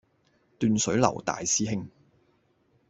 斷水流大師兄